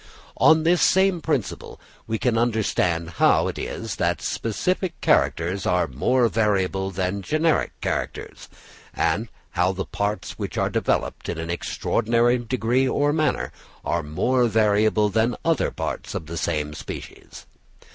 On this same principle we can understand how it is that specific characters are more variable than generic characters; and how the parts which are developed in an extraordinary degree or manner are more variable than other parts of the same species.